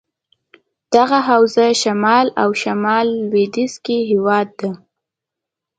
دغه حوزه شمال او شمال لودیځ کې دهیواد ده.